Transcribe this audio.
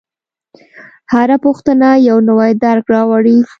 هره پوښتنه یو نوی درک راوړي.